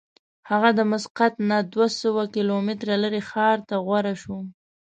هغه د مسقط نه دوه سوه کیلومتره لرې ښار ته غوره شوه.